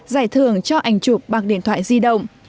giải thưởng cho ảnh chụp bằng điện thoại di động